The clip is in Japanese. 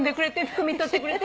くみとってくれて。